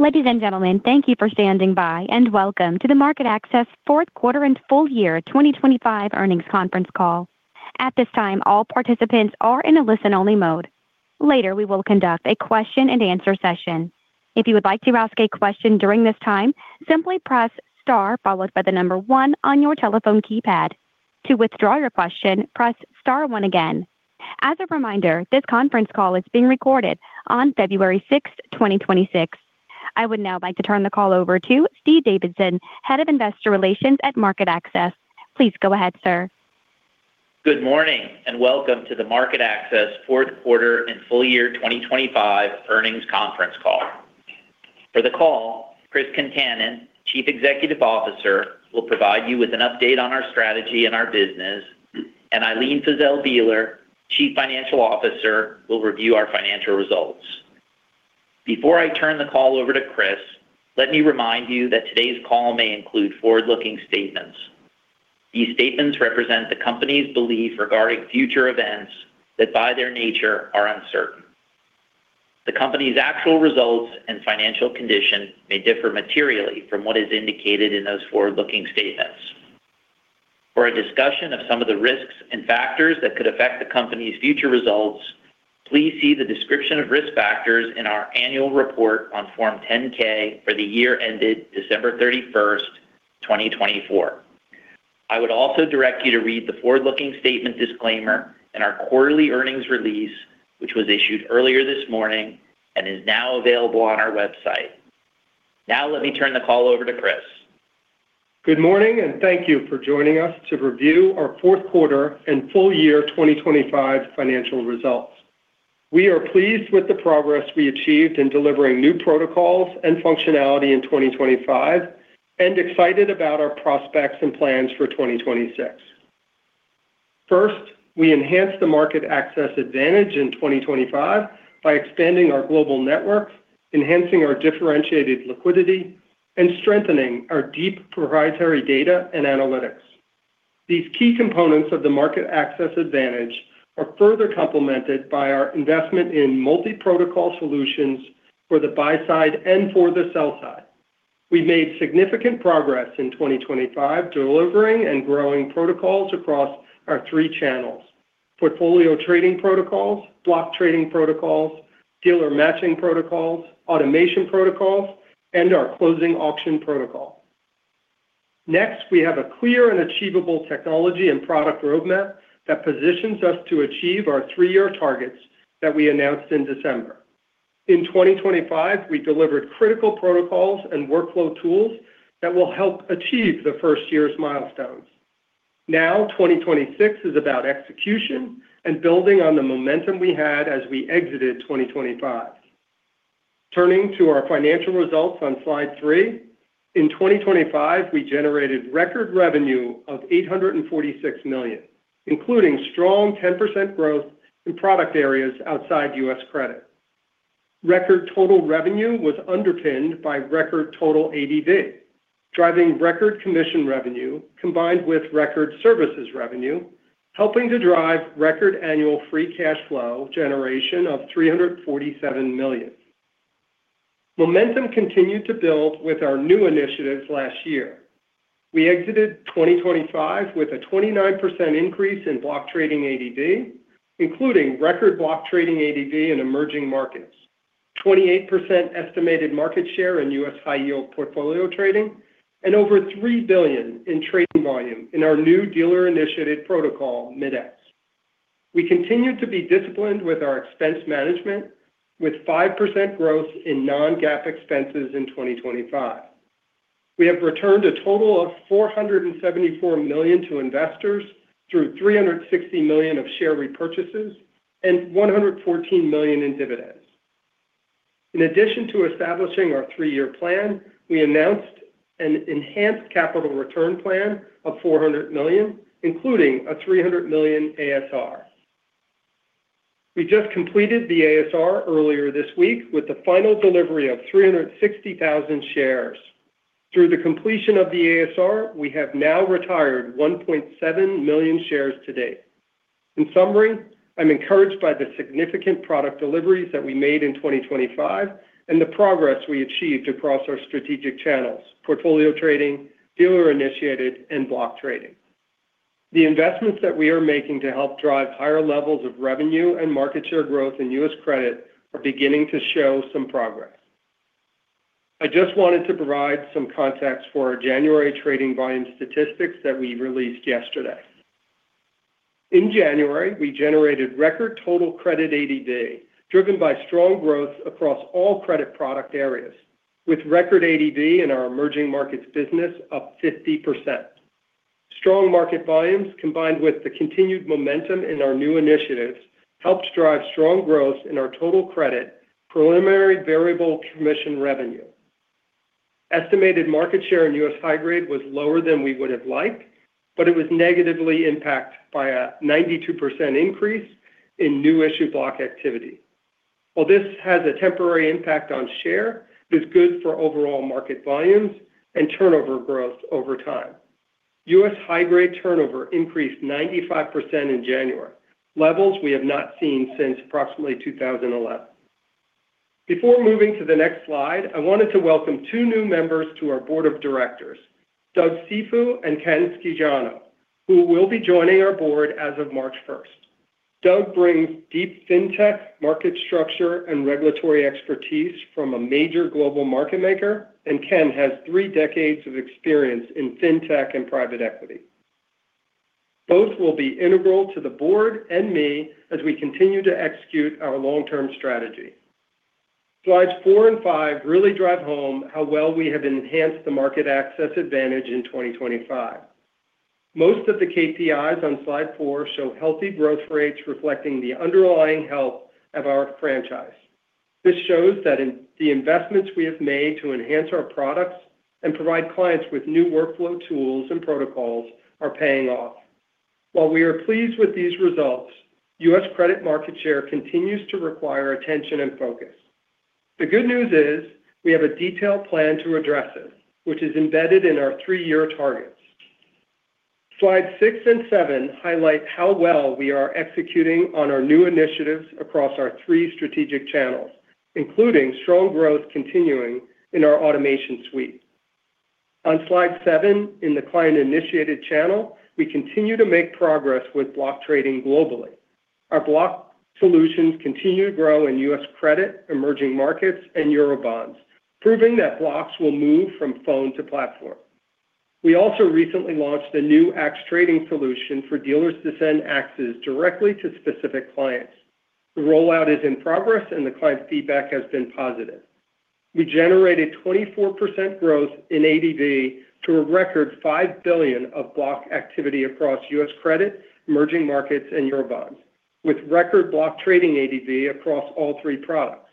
Ladies and gentlemen, thank you for standing by and welcome to the MarketAxess fourth quarter and full year 2025 earnings conference call. At this time, all participants are in a listen-only mode. Later, we will conduct a question-and-answer session. If you would like to ask a question during this time, simply press * followed by the number 1 on your telephone keypad. To withdraw your question, press * 1 again. As a reminder, this conference call is being recorded on February 6th, 2026. I would now like to turn the call over to Steve Davidson, Head of Investor Relations at MarketAxess. Please go ahead, sir. Good morning and welcome to the MarketAxess fourth quarter and full year 2025 earnings conference call. For the call, Chris Concannon, Chief Executive Officer, will provide you with an update on our strategy and our business, and Ilene Fiszel Bieler, Chief Financial Officer, will review our financial results. Before I turn the call over to Chris, let me remind you that today's call may include forward-looking statements. These statements represent the company's belief regarding future events that, by their nature, are uncertain. The company's actual results and financial condition may differ materially from what is indicated in those forward-looking statements. For a discussion of some of the risks and factors that could affect the company's future results, please see the description of risk factors in our annual report on Form 10-K for the year ended December 31st, 2024. I would also direct you to read the forward-looking statement disclaimer in our quarterly earnings release, which was issued earlier this morning and is now available on our website. Now let me turn the call over to Chris. Good morning and thank you for joining us to review our fourth quarter and full year 2025 financial results. We are pleased with the progress we achieved in delivering new protocols and functionality in 2025 and excited about our prospects and plans for 2026. First, we enhanced the MarketAxess advantage in 2025 by expanding our global network, enhancing our differentiated liquidity, and strengthening our deep proprietary data and analytics. These key components of the MarketAxess advantage are further complemented by our investment in multi-protocol solutions for the buy-side and for the sell-side. We've made significant progress in 2025 delivering and growing protocols across our three channels: portfolio trading protocols, block trading protocols, dealer matching protocols, automation protocols, and our closing auction protocol. Next, we have a clear and achievable technology and product roadmap that positions us to achieve our three-year targets that we announced in December. In 2025, we delivered critical protocols and workflow tools that will help achieve the first year's milestones. Now, 2026 is about execution and building on the momentum we had as we exited 2025. Turning to our financial results on slide 3, in 2025, we generated record revenue of $846 million, including strong 10% growth in product areas outside U.S. credit. Record total revenue was underpinned by record total ADV, driving record commission revenue combined with record services revenue, helping to drive record annual free cash flow generation of $347 million. Momentum continued to build with our new initiatives last year. We exited 2025 with a 29% increase in block trading ADV, including record block trading ADV in emerging markets, 28% estimated market share in U.S. high-yield portfolio trading, and over $3 billion in trading volume in our new dealer-initiated protocol, Mid-X. We continued to be disciplined with our expense management, with 5% growth in non-GAAP expenses in 2025. We have returned a total of $474 million to investors through $360 million of share repurchases and $114 million in dividends. In addition to establishing our three-year plan, we announced an enhanced capital return plan of $400 million, including a $300 million ASR. We just completed the ASR earlier this week with the final delivery of 360,000 shares. Through the completion of the ASR, we have now retired 1.7 million shares to date. In summary, I'm encouraged by the significant product deliveries that we made in 2025 and the progress we achieved across our strategic channels: portfolio trading, dealer-initiated, and block trading. The investments that we are making to help drive higher levels of revenue and market share growth in U.S. credit are beginning to show some progress. I just wanted to provide some context for our January trading volume statistics that we released yesterday. In January, we generated record total credit ADV driven by strong growth across all credit product areas, with record ADV in our emerging markets business up 50%. Strong market volumes, combined with the continued momentum in our new initiatives, helped drive strong growth in our total credit preliminary variable commission revenue. Estimated market share in U.S. high-grade was lower than we would have liked, but it was negatively impacted by a 92% increase in new-issue block activity. While this has a temporary impact on share, it is good for overall market volumes and turnover growth over time. U.S. high-grade turnover increased 95% in January, levels we have not seen since approximately 2011. Before moving to the next slide, I wanted to welcome two new members to our board of directors, Doug Cifu and Ken Schiciano, who will be joining our board as of March 1st. Doug brings deep fintech market structure and regulatory expertise from a major global market maker, and Ken has three decades of experience in fintech and private equity. Both will be integral to the board and me as we continue to execute our long-term strategy. Slides four and five really drive home how well we have enhanced the MarketAxess advantage in 2025. Most of the KPIs on slide four show healthy growth rates reflecting the underlying health of our franchise. This shows that the investments we have made to enhance our products and provide clients with new workflow tools and protocols are paying off. While we are pleased with these results, U.S. credit market share continues to require attention and focus. The good news is we have a detailed plan to address it, which is embedded in our 3-year targets. Slides 6 and 7 highlight how well we are executing on our new initiatives across our three strategic channels, including strong growth continuing in our automation suite. On slide 7, in the client-initiated channel, we continue to make progress with block trading globally. Our block solutions continue to grow in U.S. credit, emerging markets, and Eurobonds, proving that blocks will move from phone to platform. We also recently launched a new axe trading solution for dealers to send axes directly to specific clients. The rollout is in progress, and the client feedback has been positive. We generated 24% growth in ADV to a record $5 billion of block activity across U.S. credit, emerging markets, and Eurobonds, with record block trading ADV across all three products.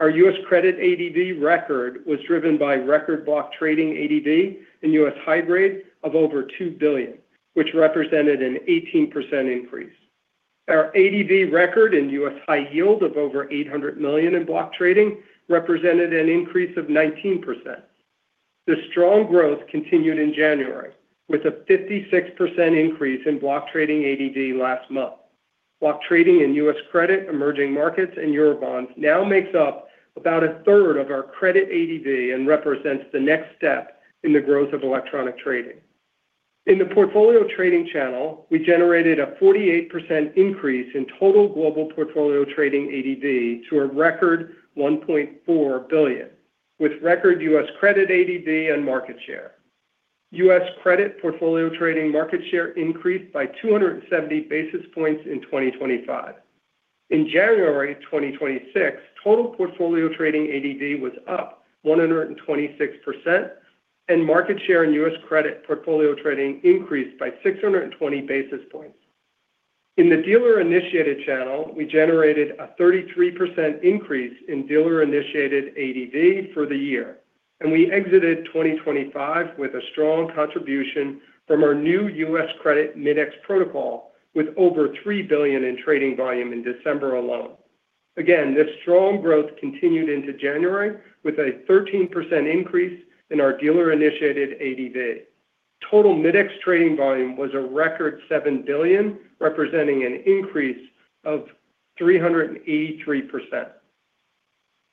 Our U.S. credit ADV record was driven by record block trading ADV in U.S. high-grade of over $2 billion, which represented an 18% increase. Our ADV record in U.S. high-yield of over $800 million in block trading represented an increase of 19%. The strong growth continued in January, with a 56% increase in block trading ADV last month. Block trading in U.S. credit, emerging markets, and Eurobonds now makes up about a third of our credit ADV and represents the next step in the growth of electronic trading. In the portfolio trading channel, we generated a 48% increase in total global portfolio trading ADV to a record $1.4 billion, with record U.S. credit ADV and market share. U.S. credit portfolio trading market share increased by 270 basis points in 2025. In January 2026, total portfolio trading ADV was up 126%, and market share in U.S. credit portfolio trading increased by 620 basis points. In the dealer-initiated channel, we generated a 33% increase in dealer-initiated ADV for the year, and we exited 2025 with a strong contribution from our new U.S. credit Mid-X protocol, with over $3 billion in trading volume in December alone. Again, this strong growth continued into January, with a 13% increase in our dealer-initiated ADV. Total Mid-X trading volume was a record $7 billion, representing an increase of 383%.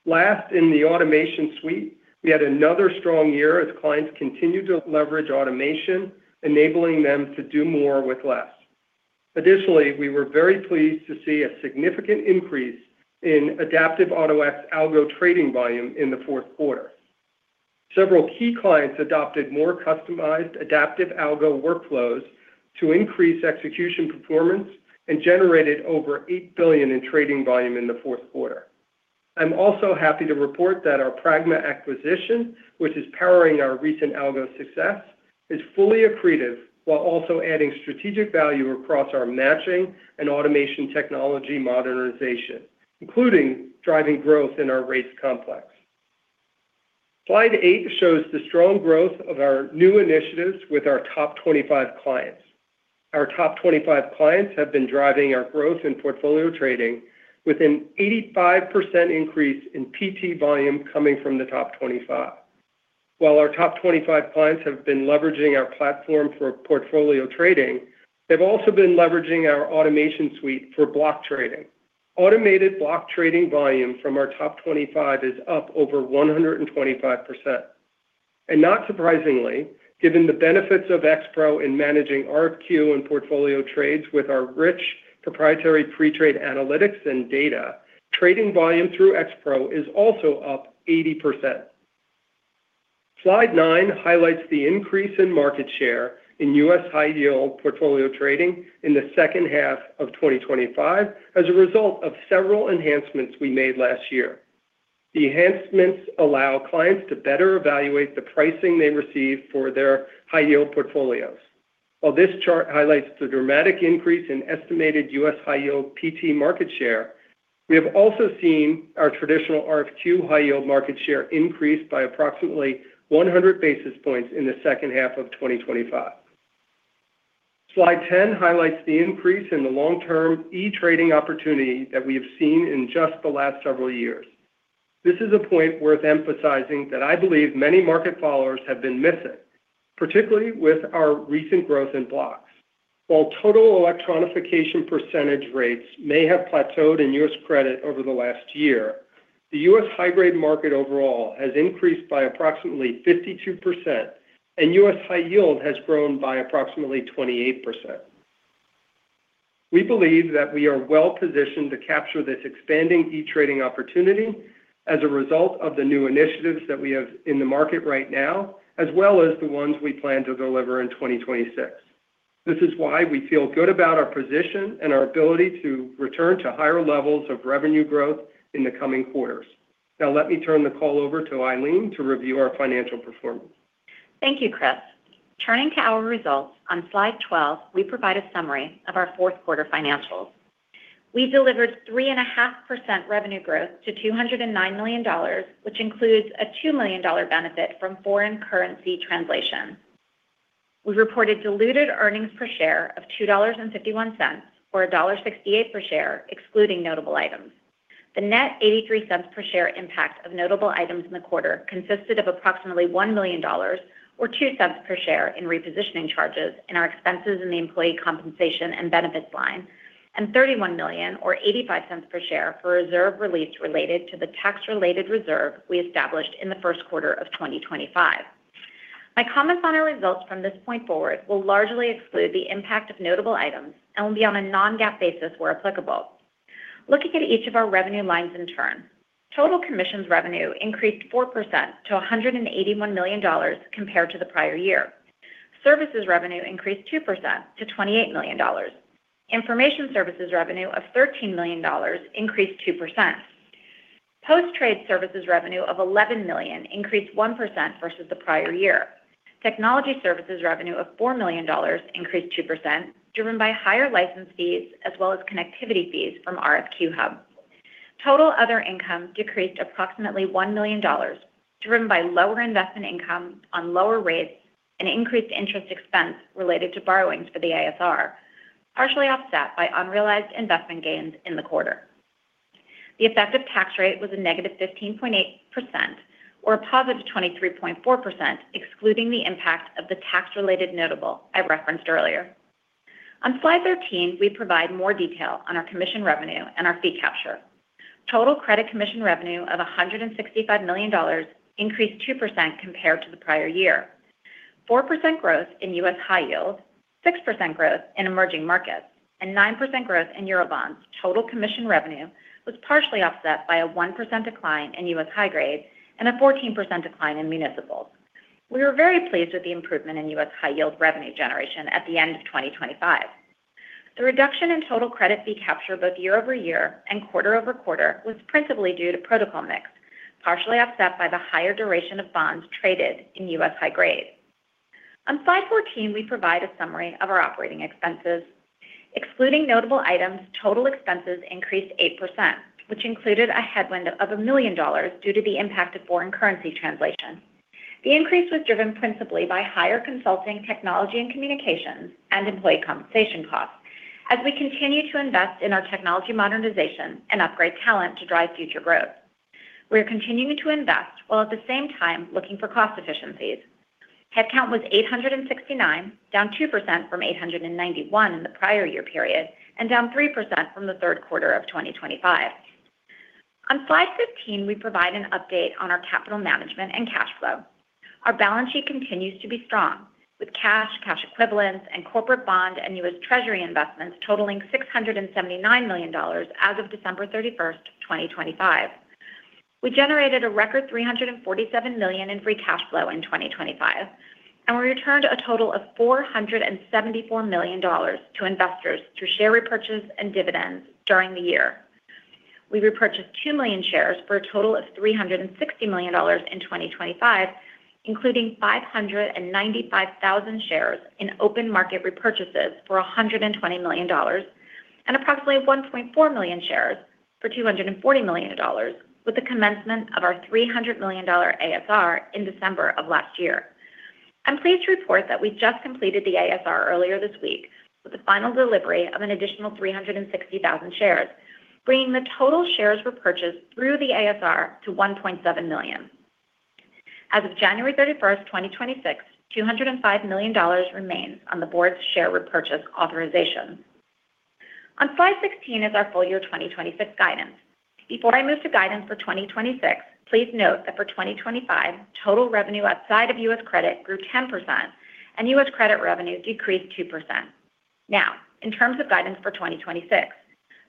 Last, in the automation suite, we had another strong year as clients continued to leverage automation, enabling them to do more with less. Additionally, we were very pleased to see a significant increase in adaptive Auto-X algo trading volume in the fourth quarter. Several key clients adopted more customized adaptive algo workflows to increase execution performance and generated over $8 billion in trading volume in the fourth quarter. I'm also happy to report that our Pragma acquisition, which is powering our recent algo success, is fully accretive while also adding strategic value across our matching and automation technology modernization, including driving growth in our Rates complex. Slide 8 shows the strong growth of our new initiatives with our top 25 clients. Our top 25 clients have been driving our growth in portfolio trading, with an 85% increase in PT volume coming from the top 25. While our top 25 clients have been leveraging our platform for portfolio trading, they've also been leveraging our automation suite for block trading. Automated block trading volume from our top 25 is up over 125%. Not surprisingly, given the benefits of X Pro in managing RFQ and portfolio trades with our rich proprietary pre-trade analytics and data, trading volume through X Pro is also up 80%. Slide 9 highlights the increase in market share in US high-yield portfolio trading in the second half of 2025 as a result of several enhancements we made last year. The enhancements allow clients to better evaluate the pricing they receive for their high-yield portfolios. While this chart highlights the dramatic increase in estimated US high-yield PT market share, we have also seen our traditional RFQ high-yield market share increase by approximately 100 basis points in the second half of 2025. Slide 10 highlights the increase in the long-term e-trading opportunity that we have seen in just the last several years. This is a point worth emphasizing that I believe many market followers have been missing, particularly with our recent growth in blocks. While total electronification percentage rates may have plateaued in U.S. credit over the last year, the U.S. high-grade market overall has increased by approximately 52%, and U.S. high-yield has grown by approximately 28%. We believe that we are well-positioned to capture this expanding e-trading opportunity as a result of the new initiatives that we have in the market right now, as well as the ones we plan to deliver in 2026. This is why we feel good about our position and our ability to return to higher levels of revenue growth in the coming quarters. Now, let me turn the call over to Ilene to review our financial performance. Thank you, Chris. Turning to our results, on slide 12, we provide a summary of our fourth quarter financials. We delivered 3.5% revenue growth to $209 million, which includes a $2 million benefit from foreign currency translation. We reported diluted earnings per share of $2.51 or $1.68 per share, excluding notable items. The net $0.83 per share impact of notable items in the quarter consisted of approximately $1 million or $0.02 per share in repositioning charges in our expenses in the employee compensation and benefits line, and $31 million or $0.85 per share for reserve release related to the tax-related reserve we established in the first quarter of 2025. My comments on our results from this point forward will largely exclude the impact of notable items and will be on a non-GAAP basis where applicable. Looking at each of our revenue lines in turn, total commissions revenue increased 4% to $181 million compared to the prior year. Services revenue increased 2% to $28 million. Information services revenue of $13 million increased 2%. Post-trade services revenue of $11 million increased 1% versus the prior year. Technology services revenue of $4 million increased 2%, driven by higher license fees as well as connectivity fees from RFQ-Hub. Total other income decreased approximately $1 million, driven by lower investment income on lower rates and increased interest expense related to borrowings for the ASR, partially offset by unrealized investment gains in the quarter. The effective tax rate was a negative 15.8% or a positive 23.4%, excluding the impact of the tax-related notable I referenced earlier. On slide 13, we provide more detail on our commission revenue and our fee capture. Total credit commission revenue of $165 million increased 2% compared to the prior year. 4% growth in U.S. high-yield, 6% growth in emerging markets, and 9% growth in Eurobonds. Total commission revenue was partially offset by a 1% decline in U.S. high-grade and a 14% decline in municipal. We were very pleased with the improvement in U.S. high-yield revenue generation at the end of 2025. The reduction in total credit fee capture both year-over-year and quarter-over-quarter was principally due to protocol mix, partially offset by the higher duration of bonds traded in U.S. high-grade. On slide 14, we provide a summary of our operating expenses. Excluding notable items, total expenses increased 8%, which included a headwind of $1 million due to the impact of foreign currency translation. The increase was driven principally by higher consulting technology and communications and employee compensation costs, as we continue to invest in our technology modernization and upgrade talent to drive future growth. We are continuing to invest while at the same time looking for cost efficiencies. Headcount was 869, down 2% from 891 in the prior year period and down 3% from the third quarter of 2025. On slide 15, we provide an update on our capital management and cash flow. Our balance sheet continues to be strong, with cash, cash equivalents, and corporate bond and U.S. Treasury investments totaling $679 million as of December 31st, 2025. We generated a record $347 million in free cash flow in 2025, and we returned a total of $474 million to investors through share repurchase and dividends during the year. We repurchased 2 million shares for a total of $360 million in 2025, including 595,000 shares in open market repurchases for $120 million and approximately 1.4 million shares for $240 million, with the commencement of our $300 million ASR in December of last year. I'm pleased to report that we just completed the ASR earlier this week with the final delivery of an additional 360,000 shares, bringing the total shares repurchased through the ASR to 1.7 million. As of January 31st, 2026, $205 million remains on the board's share repurchase authorization. On slide 16 is our full year 2026 guidance. Before I move to guidance for 2026, please note that for 2025, total revenue outside of U.S. credit grew 10%, and U.S. credit revenue decreased 2%. Now, in terms of guidance for 2026,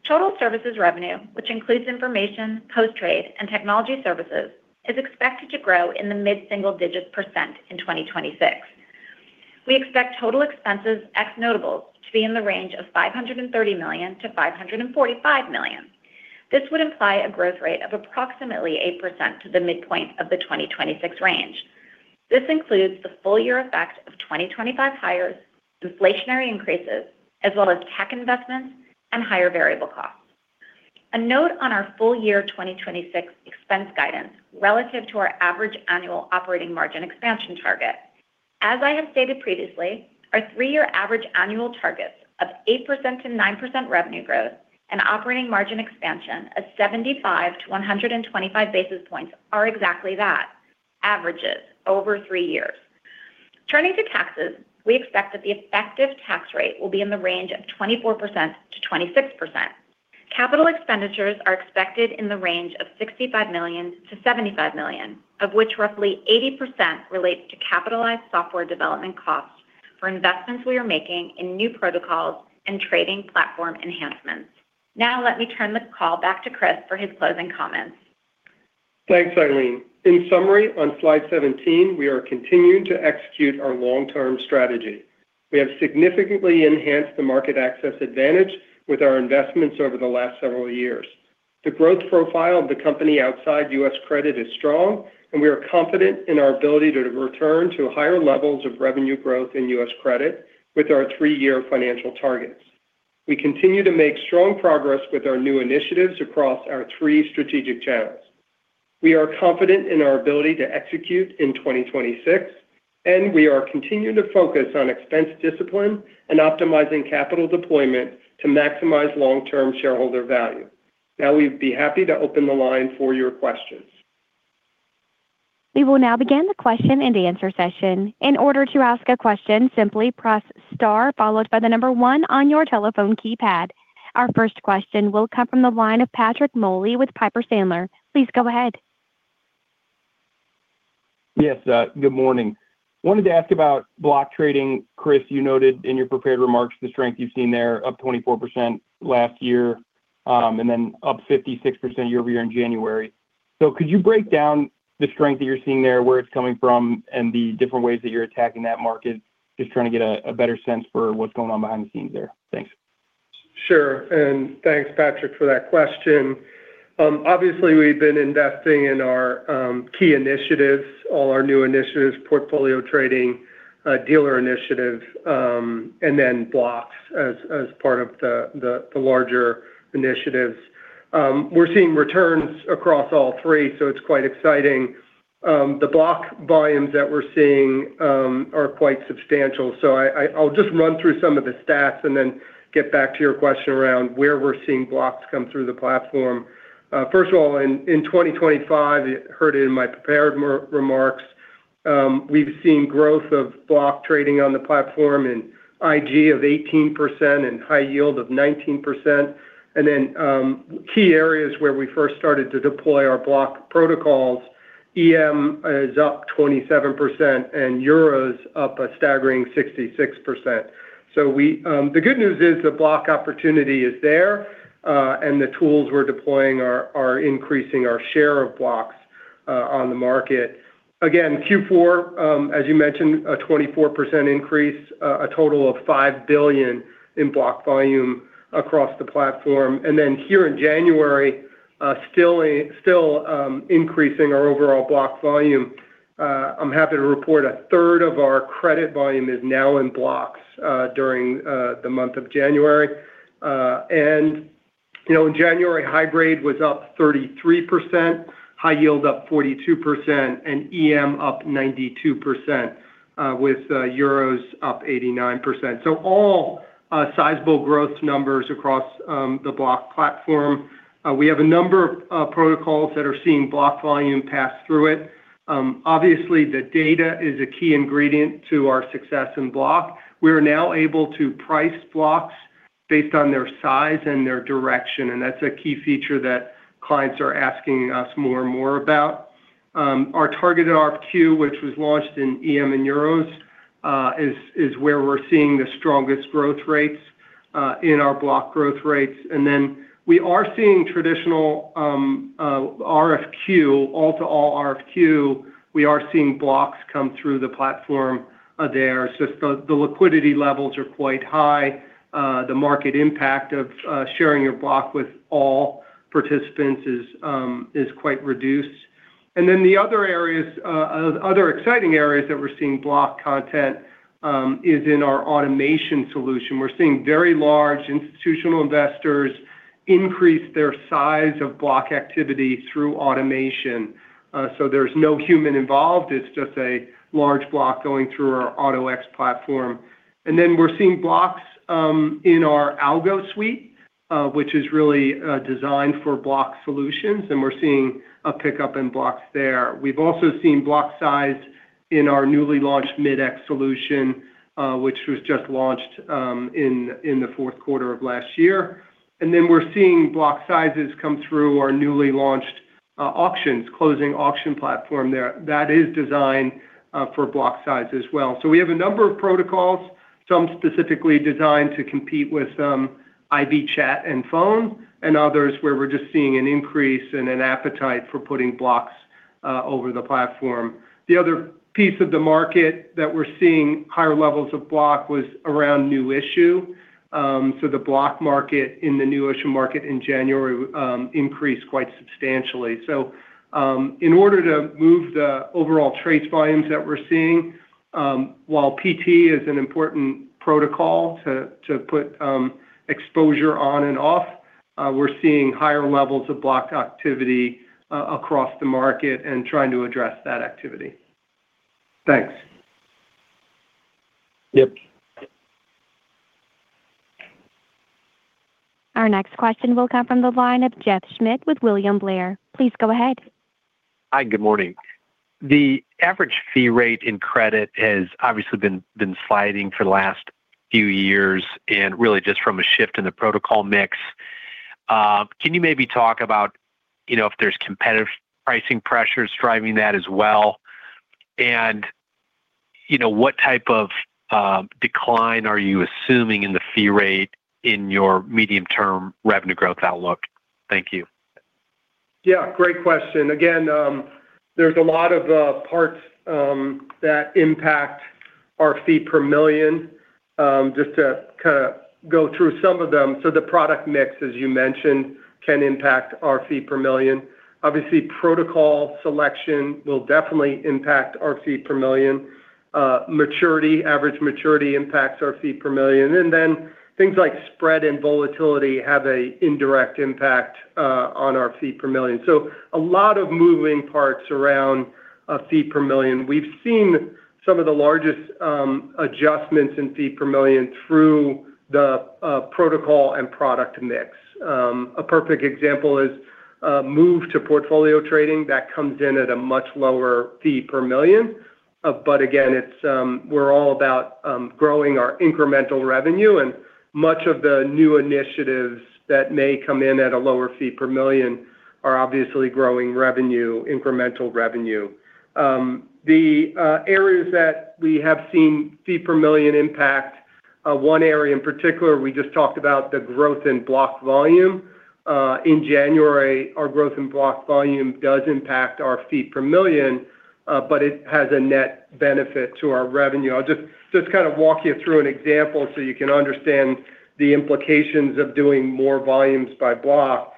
total services revenue, which includes information, post-trade, and technology services, is expected to grow in the mid-single-digit % in 2026. We expect total expenses ex notables to be in the range of $530 million-$545 million. This would imply a growth rate of approximately 8% to the midpoint of the 2026 range. This includes the full-year effect of 2025 hires, inflationary increases, as well as tech investments and higher variable costs. A note on our full year 2026 expense guidance relative to our average annual operating margin expansion target. As I have stated previously, our three-year average annual targets of 8%-9% revenue growth and operating margin expansion of 75 to 125 basis points are exactly that, averages over three years. Turning to taxes, we expect that the effective tax rate will be in the range of 24%-26%. Capital expenditures are expected in the range of $65 million-$75 million, of which roughly 80% relates to capitalized software development costs for investments we are making in new protocols and trading platform enhancements. Now, let me turn the call back to Chris for his closing comments. Thanks, Ilene. In summary, on slide 17, we are continuing to execute our long-term strategy. We have significantly enhanced the MarketAxess advantage with our investments over the last several years. The growth profile of the company outside U.S. credit is strong, and we are confident in our ability to return to higher levels of revenue growth in U.S. credit with our three-year financial targets. We continue to make strong progress with our new initiatives across our three strategic channels. We are confident in our ability to execute in 2026, and we are continuing to focus on expense discipline and optimizing capital deployment to maximize long-term shareholder value. Now, we'd be happy to open the line for your questions. We will now begin the question and answer session. In order to ask a question, simply press star followed by the number one on your telephone keypad. Our first question will come from the line of Patrick Moley with Piper Sandler. Please go ahead. Yes. Good morning. Wanted to ask about block trading. Chris, you noted in your prepared remarks the strength you've seen there, up 24% last year and then up 56% year-over-year in January. So, could you break down the strength that you're seeing there, where it's coming from, and the different ways that you're attacking that market, just trying to get a better sense for what's going on behind the scenes there? Thanks. Sure. Thanks, Patrick, for that question. Obviously, we've been investing in our key initiatives, all our new initiatives, portfolio trading, dealer initiatives, and then blocks as part of the larger initiatives. We're seeing returns across all three, so it's quite exciting. The block volumes that we're seeing are quite substantial. So, I'll just run through some of the stats and then get back to your question around where we're seeing blocks come through the platform. First of all, in 2025, you heard it in my prepared remarks, we've seen growth of block trading on the platform in IG of 18% and high yield of 19%. Then key areas where we first started to deploy our block protocols, EM is up 27% and euros up a staggering 66%. So, the good news is the block opportunity is there, and the tools we're deploying are increasing our share of blocks on the market. Again, Q4, as you mentioned, a 24% increase, a total of $5 billion in block volume across the platform. And then here in January, still increasing our overall block volume. I'm happy to report a third of our credit volume is now in blocks during the month of January. And in January, high-grade was up 33%, high-yield up 42%, and EM up 92% with euros up 89%. So, all sizable growth numbers across the block platform. We have a number of protocols that are seeing block volume pass through it. Obviously, the data is a key ingredient to our success in block. We are now able to price blocks based on their size and their direction, and that's a key feature that clients are asking us more and more about. Our targeted RFQ, which was launched in EM and euros, is where we're seeing the strongest growth rates in our block growth rates. And then we are seeing traditional RFQ, all-to-all RFQ. We are seeing blocks come through the platform there. It's just the liquidity levels are quite high. The market impact of sharing your block with all participants is quite reduced. And then the other exciting areas that we're seeing block content is in our automation solution. We're seeing very large institutional investors increase their size of block activity through automation. So, there's no human involved. It's just a large block going through our Auto-X platform. We're seeing blocks in our Algo suite, which is really designed for block solutions, and we're seeing a pickup in blocks there. We've also seen block size in our newly launched Mid-X solution, which was just launched in the fourth quarter of last year. We're seeing block sizes come through our newly launched auctions, closing auction platform there. That is designed for block size as well. We have a number of protocols, some specifically designed to compete with IB Chat and Phone, and others where we're just seeing an increase in an appetite for putting blocks over the platform. The other piece of the market that we're seeing higher levels of block was around new issue. The block market in the new issue market in January increased quite substantially. So, in order to move the overall trade volumes that we're seeing, while PT is an important protocol to put exposure on and off, we're seeing higher levels of block activity across the market and trying to address that activity. Thanks. Yep. Our next question will come from the line of Jeff Schmitt with William Blair. Please go ahead. Hi. Good morning. The average fee rate in credit has obviously been sliding for the last few years and really just from a shift in the protocol mix. Can you maybe talk about if there's competitive pricing pressures driving that as well? And what type of decline are you assuming in the fee rate in your medium-term revenue growth outlook? Thank you. Yeah. Great question. Again, there's a lot of parts that impact our fee per million. Just to kind of go through some of them. So the product mix, as you mentioned, can impact our fee per million. Obviously, protocol selection will definitely impact our fee per million. Maturity, average maturity, impacts our fee per million. And then things like spread and volatility have an indirect impact on our fee per million. So a lot of moving parts around a fee per million. We've seen some of the largest adjustments in fee per million through the protocol and product mix. A perfect example is move to Portfolio Trading. That comes in at a much lower fee per million. But again, we're all about growing our incremental revenue, and much of the new initiatives that may come in at a lower fee per million are obviously growing revenue, incremental revenue. The areas that we have seen fee per million impact, one area in particular, we just talked about the growth in block volume. In January, our growth in block volume does impact our fee per million, but it has a net benefit to our revenue. I'll just kind of walk you through an example so you can understand the implications of doing more volumes by block.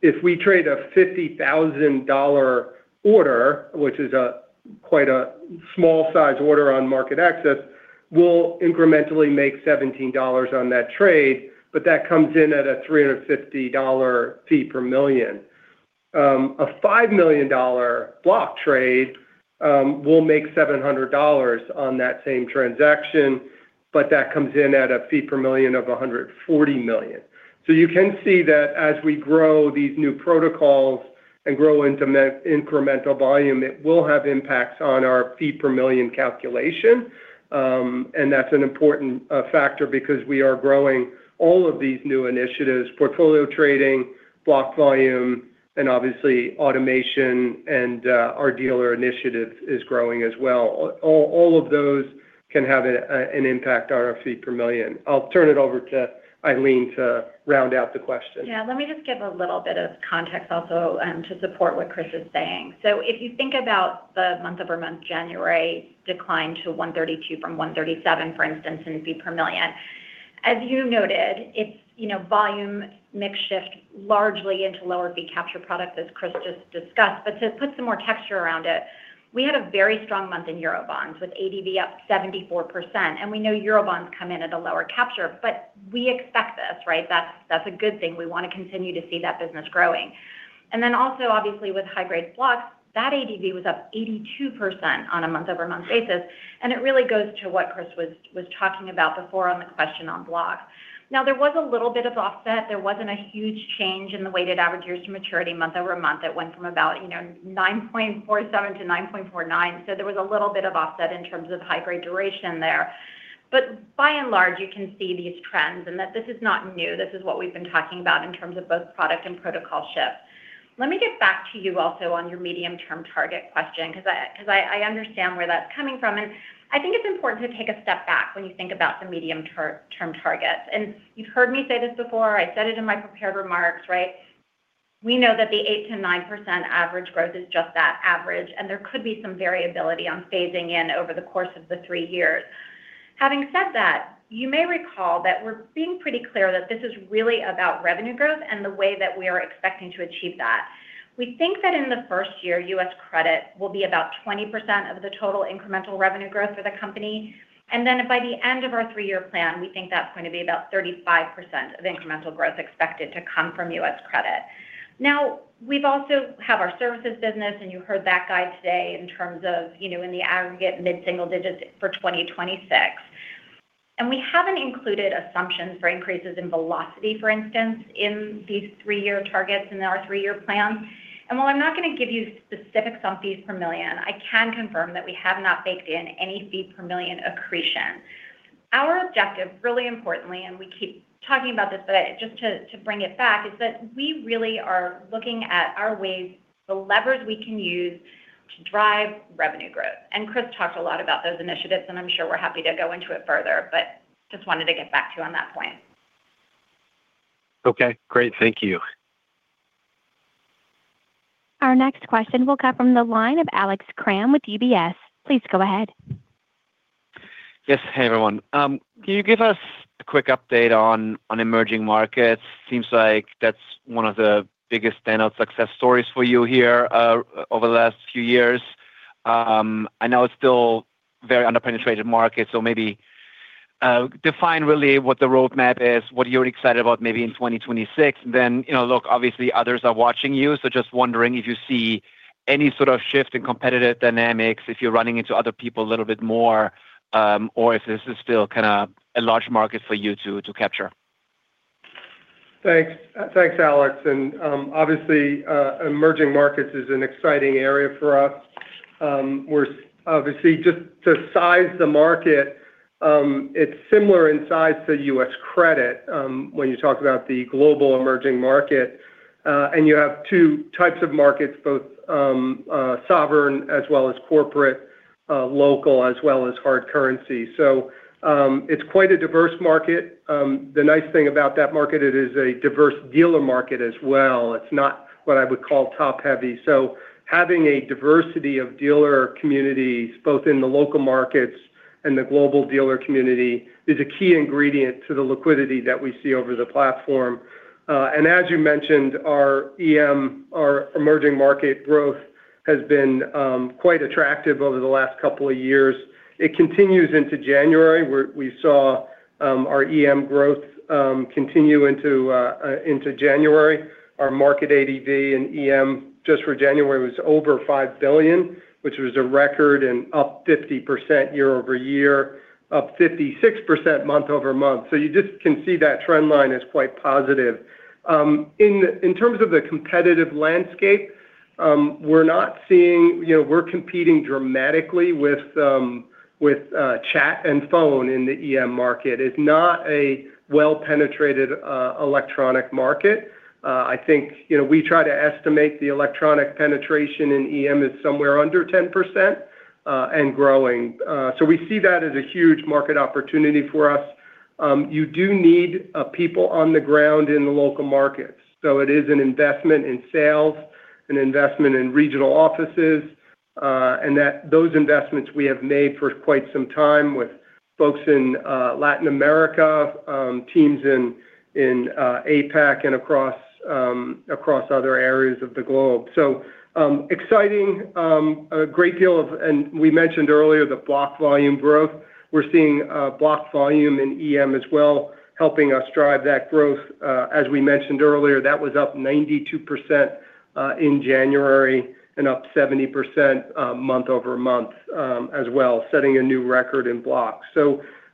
If we trade a $50,000 order, which is quite a small-sized order on MarketAxess, we'll incrementally make $17 on that trade, but that comes in at a $350 fee per million. A $5 million block trade will make $700 on that same transaction, but that comes in at a fee per million of 140. So you can see that as we grow these new protocols and grow into incremental volume, it will have impacts on our fee per million calculation. That's an important factor because we are growing all of these new initiatives, portfolio trading, block volume, and obviously, automation, and our dealer initiative is growing as well. All of those can have an impact on our fee per million. I'll turn it over to Ilene to round out the question. Yeah. Let me just give a little bit of context also to support what Chris is saying. So, if you think about the month-over-month January decline to 132 from 137, for instance, in fee per million, as you noted, it's volume mix shift largely into lower fee capture products, as Chris just discussed. But to put some more texture around it, we had a very strong month in Eurobonds with ADV up 74%. And we know Eurobonds come in at a lower capture, but we expect this, right? That's a good thing. We want to continue to see that business growing. And then also, obviously, with high-grade blocks, that ADV was up 82% on a month-over-month basis. And it really goes to what Chris was talking about before on the question on blocks. Now, there was a little bit of offset. There wasn't a huge change in the weighted average years to maturity month-over-month. It went from about 9.47 to 9.49. So there was a little bit of offset in terms of high-grade duration there. But by and large, you can see these trends and that this is not new. This is what we've been talking about in terms of both product and protocol shift. Let me get back to you also on your medium-term target question because I understand where that's coming from. And I think it's important to take a step back when you think about the medium-term targets. And you've heard me say this before. I said it in my prepared remarks, right? We know that the 8%-9% average growth is just that average, and there could be some variability on phasing in over the course of the three years. Having said that, you may recall that we're being pretty clear that this is really about revenue growth and the way that we are expecting to achieve that. We think that in the first year, U.S. credit will be about 20% of the total incremental revenue growth for the company. And then by the end of our three-year plan, we think that's going to be about 35% of incremental growth expected to come from U.S. credit. Now, we also have our services business, and you heard that guide today in terms of in the aggregate, mid-single digits for 2026. And we haven't included assumptions for increases in velocity, for instance, in these three-year targets in our three-year plans. And while I'm not going to give you specifics on fees per million, I can confirm that we have not baked in any fee per million accretions. Our objective, really importantly, and we keep talking about this, but just to bring it back, is that we really are looking at our ways, the levers we can use to drive revenue growth. Chris talked a lot about those initiatives, and I'm sure we're happy to go into it further, but just wanted to get back to you on that point. Okay. Great. Thank you. Our next question will come from the line of Alex Kramm with UBS. Please go ahead. Yes. Hey, everyone. Can you give us a quick update on emerging markets? Seems like that's one of the biggest standout success stories for you here over the last few years. I know it's still a very underpenetrated market, so maybe define really what the roadmap is, what you're excited about maybe in 2026. And then, look, obviously, others are watching you, so just wondering if you see any sort of shift in competitive dynamics, if you're running into other people a little bit more, or if this is still kind of a large market for you to capture. Thanks. Thanks, Alex. Obviously, emerging markets is an exciting area for us. Obviously, just to size the market, it's similar in size to U.S. credit when you talk about the global emerging market. You have two types of markets, both sovereign as well as corporate, local as well as hard currency. It's quite a diverse market. The nice thing about that market, it is a diverse dealer market as well. It's not what I would call top-heavy. Having a diversity of dealer communities, both in the local markets and the global dealer community, is a key ingredient to the liquidity that we see over the platform. As you mentioned, our EM, our emerging market growth, has been quite attractive over the last couple of years. It continues into January. We saw our EM growth continue into January. Our market ADV in EM just for January was over $5 billion, which was a record and up 50% year-over-year, up 56% month-over-month. So, you just can see that trend line is quite positive. In terms of the competitive landscape, we're not seeing we're competing dramatically with chat and phone in the EM market. It's not a well-penetrated electronic market. I think we try to estimate the electronic penetration in EM is somewhere under 10% and growing. So, we see that as a huge market opportunity for us. You do need people on the ground in the local markets. So it is an investment in sales, an investment in regional offices, and that those investments we have made for quite some time with folks in Latin America, teams in APAC, and across other areas of the globe. So exciting, a great deal, and we mentioned earlier the block volume growth. We're seeing block volume in EM as well, helping us drive that growth. As we mentioned earlier, that was up 92% in January and up 70% month-over-month as well, setting a new record in blocks.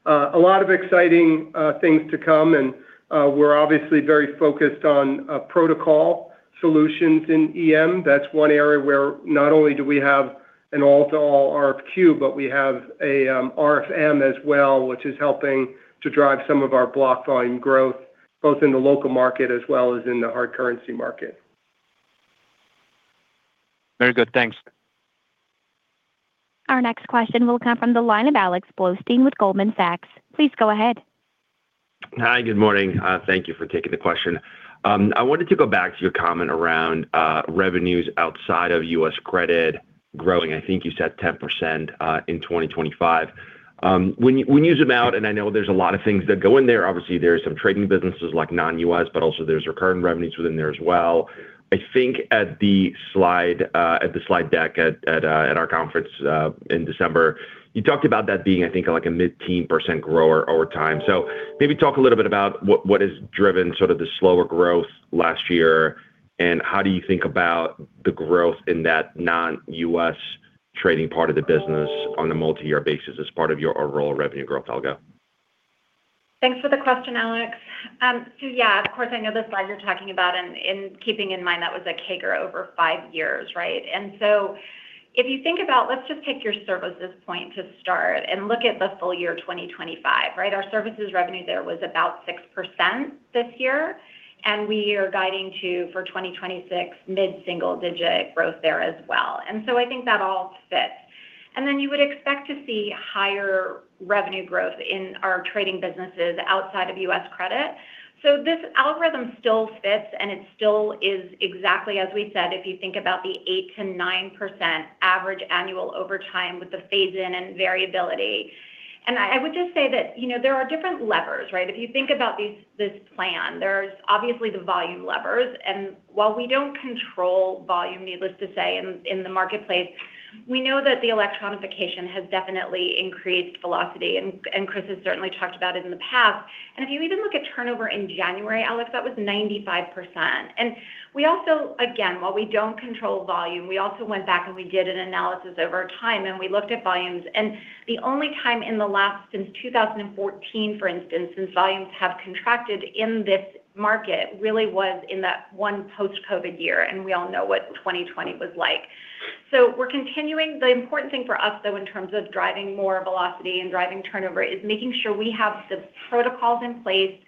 A lot of exciting things to come. We're obviously very focused on protocol solutions in EM. That's one area where not only do we have an all-to-all RFQ, but we have an RFM as well, which is helping to drive some of our block volume growth both in the local market as well as in the hard currency market. Very good. Thanks. Our next question will come from the line of Alex Blostein with Goldman Sachs. Please go ahead. Hi. Good morning. Thank you for taking the question. I wanted to go back to your comment around revenues outside of U.S. credit growing. I think you said 10% in 2025. When you zoom out, and I know there's a lot of things that go in there, obviously, there's some trading businesses like non-U.S., but also there's recurring revenues within there as well. I think at the slide deck at our conference in December, you talked about that being, I think, like a 15% grower over time. So, maybe talk a little bit about what has driven sort of the slower growth last year, and how do you think about the growth in that non-U.S. trading part of the business on a multi-year basis as part of your overall revenue growth? I'll go. Thanks for the question, Alex. Yeah, of course, I know the slide you're talking about. And keeping in mind, that was a CAGR over 5 years, right? And so, if you think about let's just take your services point to start and look at the full year 2025, right? Our services revenue there was about 6% this year, and we are guiding to for 2026, mid-single digit growth there as well. And so, I think that all fits. And then you would expect to see higher revenue growth in our trading businesses outside of U.S. credit. So, this algorithm still fits, and it still is exactly as we said, if you think about the 8%-9% average annual over time with the phase-in and variability. And I would just say that there are different levers, right? If you think about this plan, there's obviously the volume levers. While we don't control volume, needless to say, in the marketplace, we know that the electronification has definitely increased velocity. Chris has certainly talked about it in the past. If you even look at turnover in January, Alex, that was 95%. Again, while we don't control volume, we also went back and we did an analysis over time, and we looked at volumes. The only time in the last since 2014, for instance, since volumes have contracted in this market really was in that one post-COVID year. We all know what 2020 was like. The important thing for us, though, in terms of driving more velocity and driving turnover is making sure we have the protocols in place,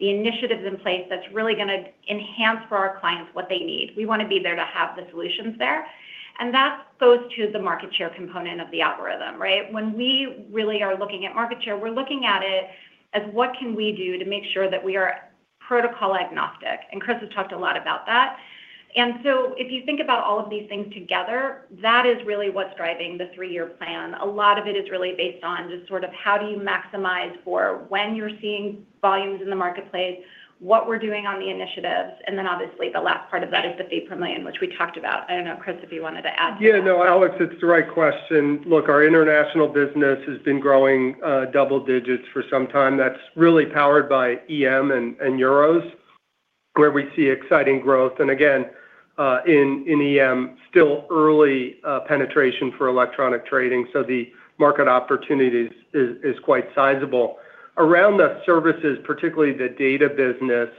the initiatives in place that's really going to enhance for our clients what they need. We want to be there to have the solutions there. That goes to the market share component of the algorithm, right? When we really are looking at market share, we're looking at it as what can we do to make sure that we are protocol-agnostic. Chris has talked a lot about that. So, if you think about all of these things together, that is really what's driving the three-year plan. A lot of it is really based on just sort of how you maximize for when you're seeing volumes in the marketplace, what we're doing on the initiatives. Then obviously, the last part of that is the fee per million, which we talked about. I don't know, Chris, if you wanted to add to that. Yeah. No, Alex, it's the right question. Look, our international business has been growing double digits for some time. That's really powered by EM and euros, where we see exciting growth. And again, in EM, still early penetration for electronic trading, so the market opportunities is quite sizable. Around the services, particularly the data business,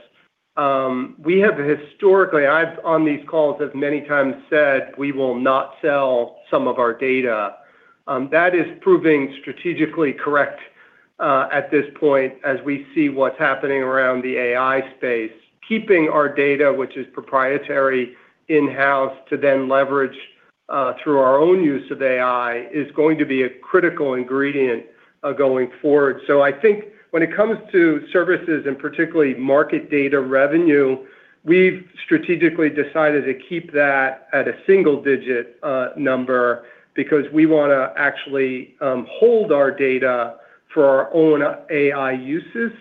we have historically. I have on these calls many times said, "We will not sell some of our data." That is proving strategically correct at this point as we see what's happening around the AI space. Keeping our data, which is proprietary in-house to then leverage through our own use of AI, is going to be a critical ingredient going forward. So, I think when it comes to services and particularly market data revenue, we've strategically decided to keep that at a single digit number because we want to actually hold our data for our own AI uses,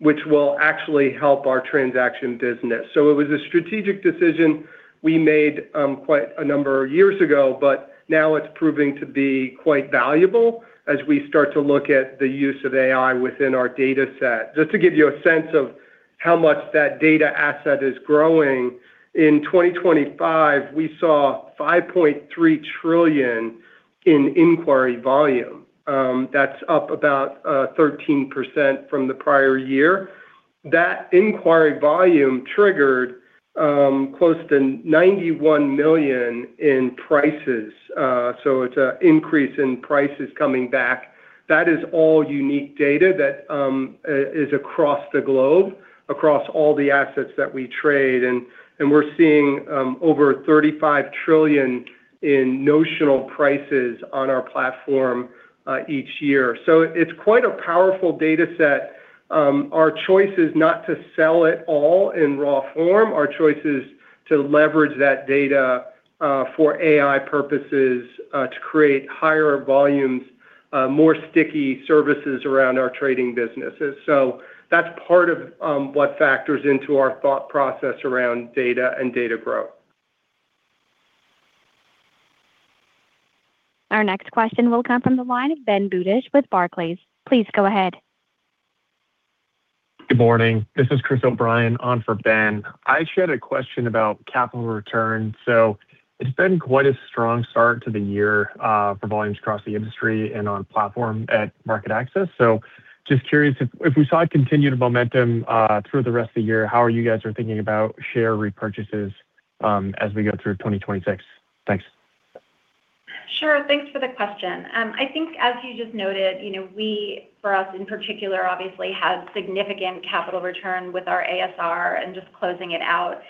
which will actually help our transaction business. So, it was a strategic decision we made quite a number of years ago, but now it's proving to be quite valuable as we start to look at the use of AI within our dataset. Just to give you a sense of how much that data asset is growing, in 2025, we saw 5.3 trillion in inquiry volume. That's up about 13% from the prior year. That inquiry volume triggered close to 91 million in prices. So, it's an increase in prices coming back. That is all unique data that is across the globe, across all the assets that we trade. We're seeing over $35 trillion in notional prices on our platform each year. So, it's quite a powerful dataset. Our choice is not to sell it all in raw form. Our choice is to leverage that data for AI purposes to create higher volumes, more sticky services around our trading businesses. So, that's part of what factors into our thought process around data and data growth. Our next question will come from the line of Ben Budish with Barclays. Please go ahead. Good morning. This is Chris O'Brien on for Ben. I shared a question about capital return. It's been quite a strong start to the year for volumes across the industry and on platform at MarketAxess. Just curious if we saw a continued momentum through the rest of the year, how are you guys thinking about share repurchases as we go through 2026? Thanks. Sure. Thanks for the question. I think as you just noted, we, for us in particular, obviously, have significant capital return with our ASR and just closing it out.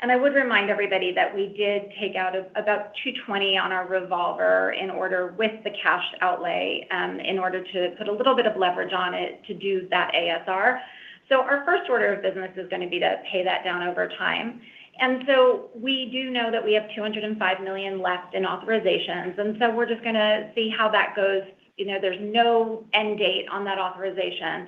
And I would remind everybody that we did take out about $220 million on our revolver in order with the cash outlay in order to put a little bit of leverage on it to do that ASR. So, our first order of business is going to be to pay that down over time. And so, we do know that we have $205 million left in authorizations. And so, we're just going to see how that goes. There's no end date on that authorization.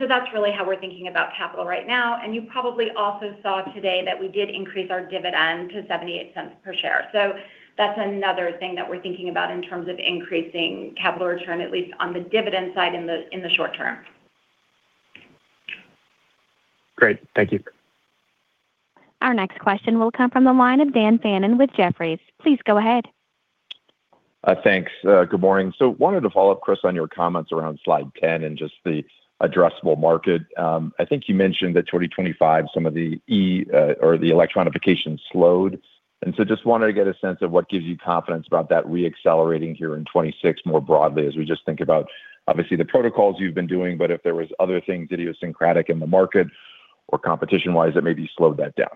So that's really how we're thinking about capital right now. And you probably also saw today that we did increase our dividend to $0.78 per share. That's another thing that we're thinking about in terms of increasing capital return, at least on the dividend side in the short term. Great. Thank you. Our next question will come from the line of Dan Fannon with Jefferies. Please go ahead. Thanks. Good morning. So wanted to follow up, Chris, on your comments around slide 10 and just the addressable market. I think you mentioned that 2025, some of the E or the electronification slowed. And so just wanted to get a sense of what gives you confidence about that reaccelerating here in 2026 more broadly as we just think about, obviously, the protocols you've been doing, but if there were other things idiosyncratic in the market or competition-wise that maybe slowed that down.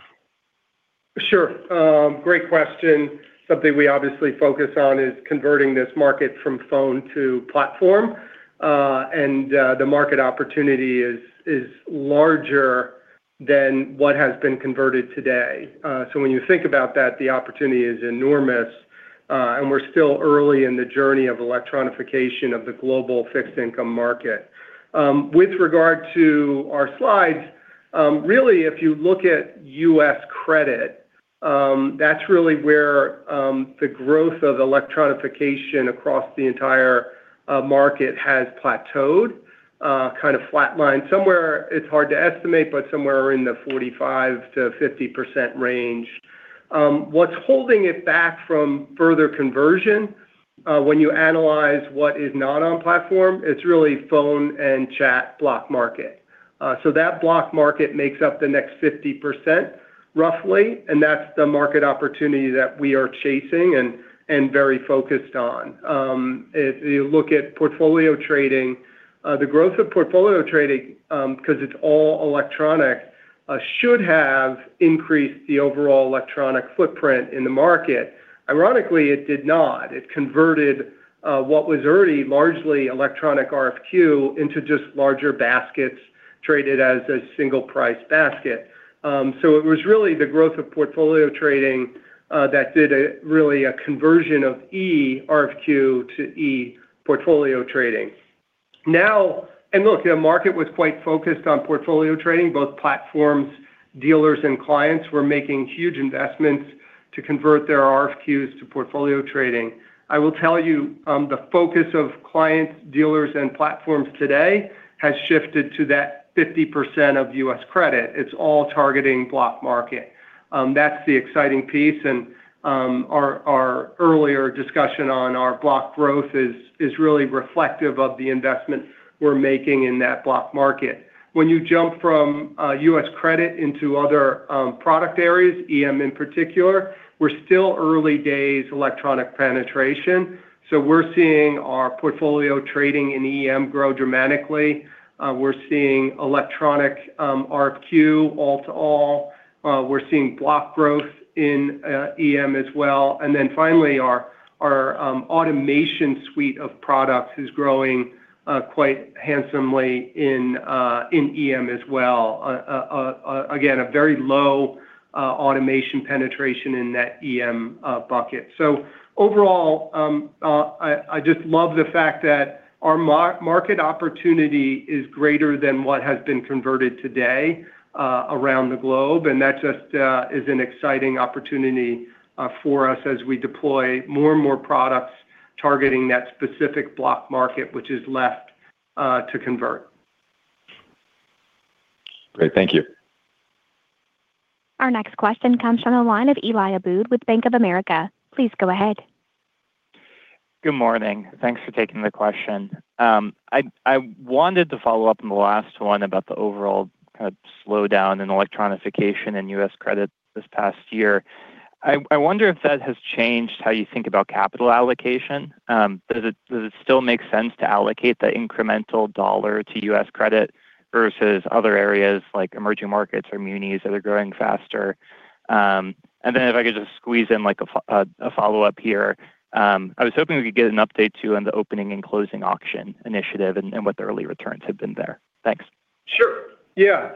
Sure. Great question. Something we obviously focus on is converting this market from phone to platform. The market opportunity is larger than what has been converted today. When you think about that, the opportunity is enormous. We're still early in the journey of electronification of the global fixed-income market. With regard to our slides, really, if you look at U.S. credit, that's really where the growth of electronification across the entire market has plateaued, kind of flatlined. Somewhere, it's hard to estimate, but somewhere in the 45%-50% range. What's holding it back from further conversion, when you analyze what is not on platform, it's really phone and chat block market. That block market makes up the next 50% roughly. That's the market opportunity that we are chasing and very focused on. If you look at portfolio trading, the growth of portfolio trading because it's all electronic should have increased the overall electronic footprint in the market. Ironically, it did not. It converted what was already largely electronic RFQ into just larger baskets traded as a single-price basket. It was really the growth of portfolio trading that did really a conversion of E RFQ to E portfolio trading. Look, the market was quite focused on portfolio trading. Both platforms, dealers, and clients were making huge investments to convert their RFQs to portfolio trading. I will tell you, the focus of clients, dealers, and platforms today has shifted to that 50% of U.S. credit. It's all targeting block market. That's the exciting piece. Our earlier discussion on our block growth is really reflective of the investment we're making in that block market. When you jump from US credit into other product areas, EM in particular, we're still early days electronic penetration. So, we're seeing our portfolio trading in EM grow dramatically. We're seeing electronic RFQ all to all. We're seeing block growth in EM as well. And then finally, our automation suite of products is growing quite handsomely in EM as well. Again, a very low automation penetration in that EM bucket. So overall, I just love the fact that our market opportunity is greater than what has been converted today around the globe. And that just is an exciting opportunity for us as we deploy more and more products targeting that specific block market, which is left to convert. Great. Thank you. Our next question comes from the line of Eli Abboud with Bank of America. Please go ahead. Good morning. Thanks for taking the question. I wanted to follow up on the last one about the overall kind of slowdown in electronification in U.S. credit this past year. I wonder if that has changed how you think about capital allocation. Does it still make sense to allocate the incremental dollar to U.S. credit versus other areas like emerging markets or munis that are growing faster? And then if I could just squeeze in a follow-up here, I was hoping we could get an update too on the opening and closing auction initiative and what the early returns have been there. Thanks. Sure. Yeah.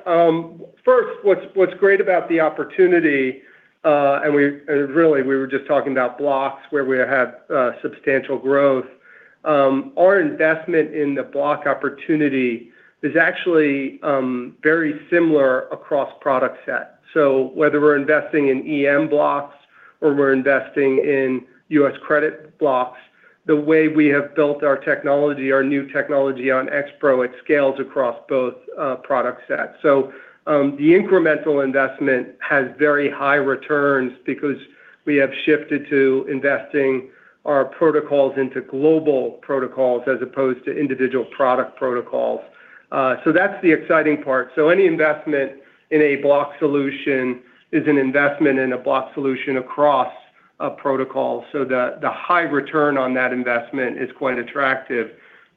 First, what's great about the opportunity, and really, we were just talking about blocks where we have substantial growth. Our investment in the block opportunity is actually very similar across product sets. So, whether we're investing in EM blocks or we're investing in U.S. credit blocks, the way we have built our technology, our new technology on X-Pro, it scales across both product sets. So, the incremental investment has very high returns because we have shifted to investing our protocols into global protocols as opposed to individual product protocols. So that's the exciting part. So, any investment in a block solution is an investment in a block solution across protocols. So, the high return on that investment is quite attractive.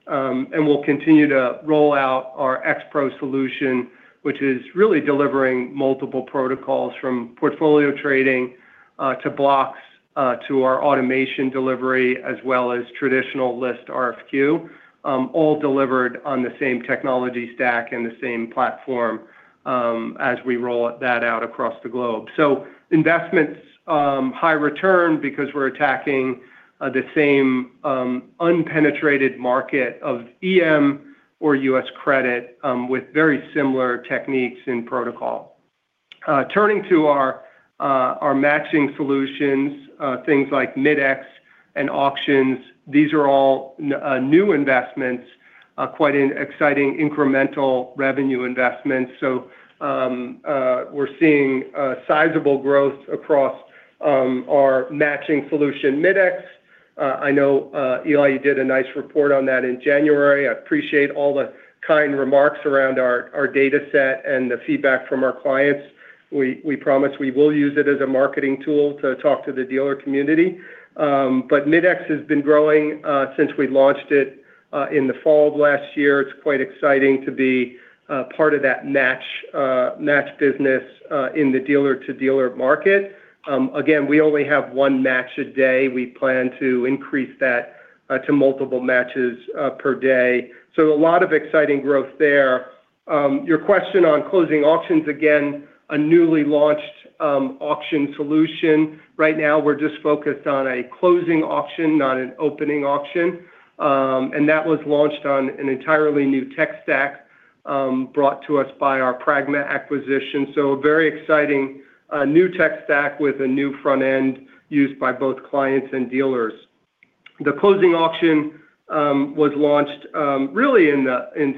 We'll continue to roll out our X-Pro solution, which is really delivering multiple protocols from portfolio trading to blocks to our automation delivery as well as traditional list RFQ, all delivered on the same technology stack and the same platform as we roll that out across the globe. So, investments high return because we're attacking the same unpenetrated market of EM or U.S. credit with very similar techniques and protocol. Turning to our matching solutions, things like Mid-X and auctions, these are all new investments, quite exciting incremental revenue investments. So, we're seeing sizable growth across our matching solution, Mid-X. I know, Eli, you did a nice report on that in January. I appreciate all the kind remarks around our dataset and the feedback from our clients. We promise we will use it as a marketing tool to talk to the dealer community. But Mid-X has been growing since we launched it in the fall of last year. It's quite exciting to be part of that match business in the dealer-to-dealer market. Again, we only have one match a day. We plan to increase that to multiple matches per day. So, a lot of exciting growth there. Your question on closing auctions, again, a newly launched auction solution. Right now, we're just focused on a closing auction, not an opening auction. And that was launched on an entirely new tech stack brought to us by our Pragma acquisition. So, a very exciting new tech stack with a new front end used by both clients and dealers. The closing auction was launched really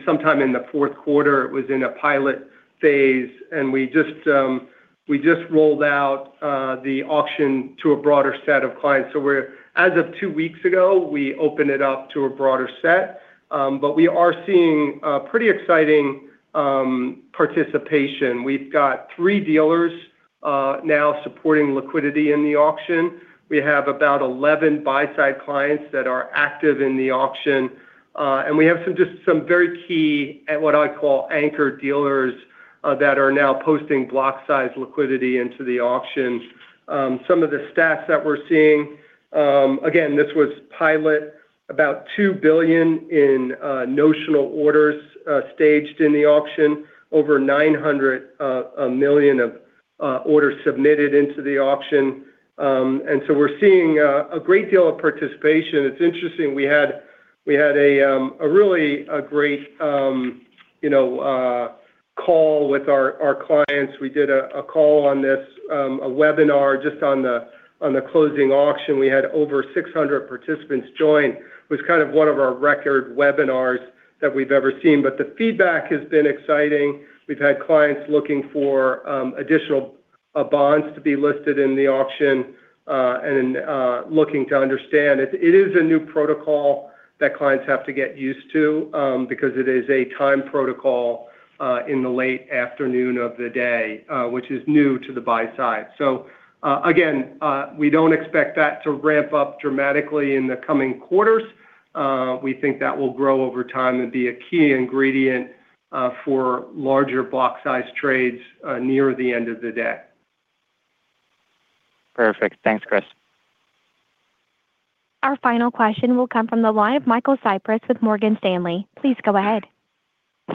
sometime in the fourth quarter. It was in a pilot phase. And we just rolled out the auction to a broader set of clients. So as of two weeks ago, we opened it up to a broader set. But we are seeing pretty exciting participation. We've got 3 dealers now supporting liquidity in the auction. We have about 11 buy-side clients that are active in the auction. And we have just some very key, what I call, anchor dealers that are now posting block-size liquidity into the auction. Some of the stats that we're seeing again, this was pilot, about $2 billion in notional orders staged in the auction, over $900 million of orders submitted into the auction. And so, we're seeing a great deal of participation. It's interesting. We had a really great call with our clients. We did a call on this, a webinar just on the closing auction. We had over 600 participants join. It was kind of one of our record webinars that we've ever seen. But the feedback has been exciting. We've had clients looking for additional bonds to be listed in the auction and looking to understand. It is a new protocol that clients have to get used to because it is a time protocol in the late afternoon of the day, which is new to the buy-side. So again, we don't expect that to ramp up dramatically in the coming quarters. We think that will grow over time and be a key ingredient for larger block-size trades near the end of the day. Perfect. Thanks, Chris. Our final question will come from the line of Michael Cyprys with Morgan Stanley. Please go ahead.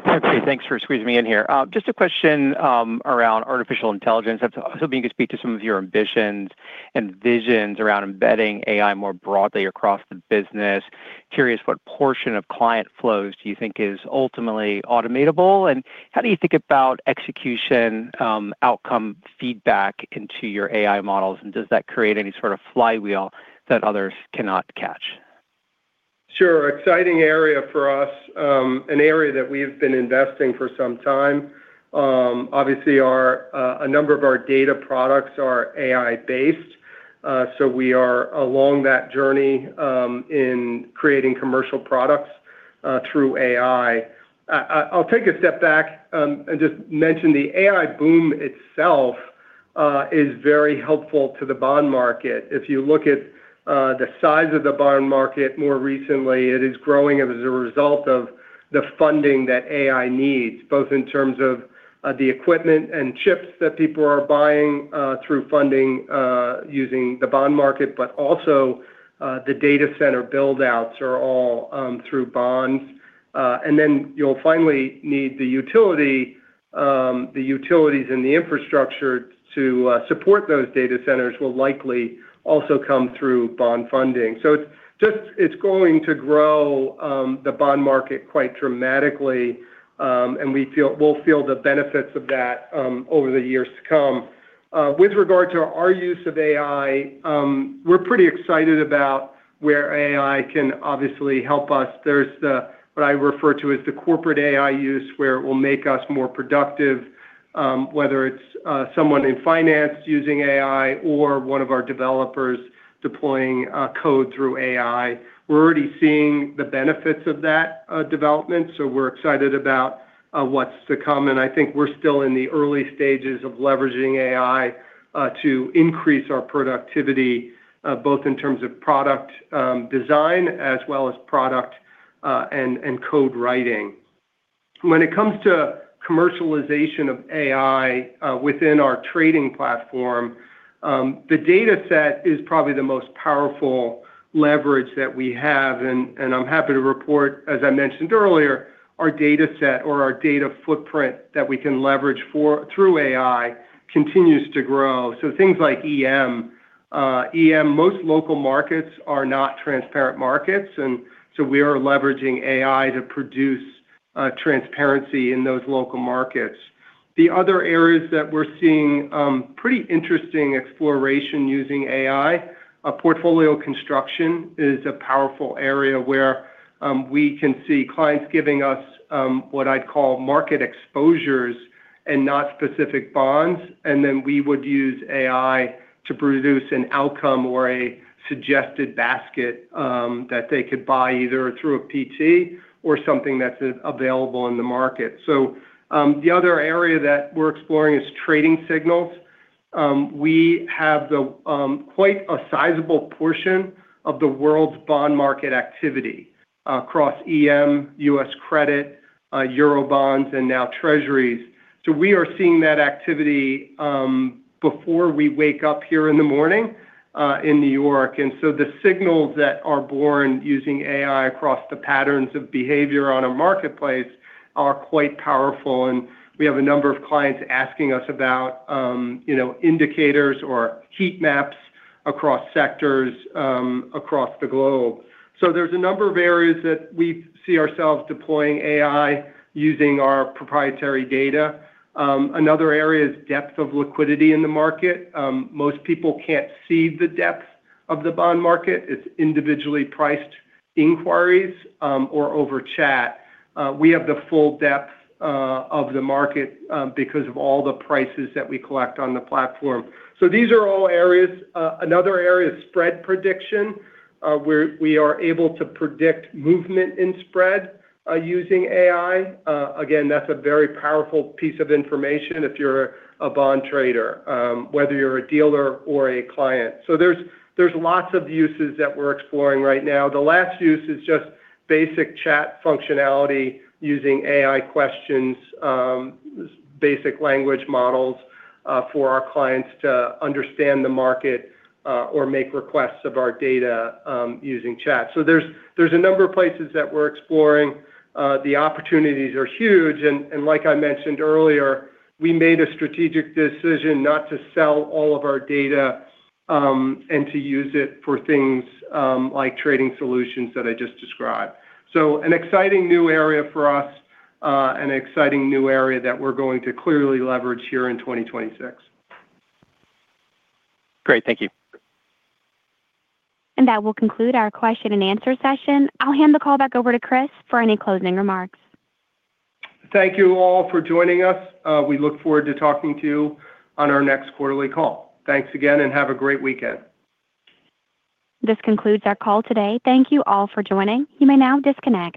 Okay. Thanks for squeezing me in here. Just a question around artificial intelligence. I'm hoping you could speak to some of your ambitions and visions around embedding AI more broadly across the business. Curious what portion of client flows do you think is ultimately automatable? And how do you think about execution outcome feedback into your AI models? And does that create any sort of flywheel that others cannot catch? Sure. Exciting area for us, an area that we've been investing for some time. Obviously, a number of our data products are AI-based. So, we are along that journey in creating commercial products through AI. I'll take a step back and just mention the AI boom itself is very helpful to the bond market. If you look at the size of the bond market more recently, it is growing as a result of the funding that AI needs, both in terms of the equipment and chips that people are buying through funding using the bond market, but also the data center buildouts are all through bonds. And then you'll finally need the utilities and the infrastructure to support those data centers will likely also come through bond funding. So, it's going to grow the bond market quite dramatically. And we'll feel the benefits of that over the years to come. With regard to our use of AI, we're pretty excited about where AI can obviously help us. There's what I refer to as the corporate AI use where it will make us more productive, whether it's someone in finance using AI or one of our developers deploying code through AI. We're already seeing the benefits of that development. So, we're excited about what's to come. And I think we're still in the early stages of leveraging AI to increase our productivity, both in terms of product design as well as product and code writing. When it comes to commercialization of AI within our trading platform, the dataset is probably the most powerful leverage that we have. And I'm happy to report, as I mentioned earlier, our dataset or our data footprint that we can leverage through AI continues to grow. So, things like EM, most local markets are not transparent markets. So, we are leveraging AI to produce transparency in those local markets. The other areas that we're seeing pretty interesting exploration using AI, portfolio construction, is a powerful area where we can see clients giving us what I'd call market exposures and not specific bonds. Then we would use AI to produce an outcome or a suggested basket that they could buy either through a PT or something that's available in the market. So, the other area that we're exploring is trading signals. We have quite a sizable portion of the world's bond market activity across EM, U.S. credit, eurobonds, and now Treasuries. So, we are seeing that activity before we wake up here in the morning in New York. And so, the signals that are born using AI across the patterns of behavior on a marketplace are quite powerful. And we have a number of clients asking us about indicators or heat maps across sectors across the globe. So, there's a number of areas that we see ourselves deploying AI using our proprietary data. Another area is depth of liquidity in the market. Most people can't see the depth of the bond market. It's individually priced inquiries or over chat. We have the full depth of the market because of all the prices that we collect on the platform. So, these are all areas. Another area is spread prediction. We are able to predict movement in spread using AI. Again, that's a very powerful piece of information if you're a bond trader, whether you're a dealer or a client. So, there's lots of uses that we're exploring right now. The last use is just basic chat functionality using AI questions, basic language models for our clients to understand the market or make requests of our data using chat. So, there's a number of places that we're exploring. The opportunities are huge. And like I mentioned earlier, we made a strategic decision not to sell all of our data and to use it for things like trading solutions that I just described. So, an exciting new area for us, an exciting new area that we're going to clearly leverage here in 2026. Great. Thank you. That will conclude our question-and-answer session. I'll hand the call back over to Chris for any closing remarks. Thank you all for joining us. We look forward to talking to you on our next quarterly call. Thanks again, and have a great weekend. This concludes our call today. Thank you all for joining. You may now disconnect.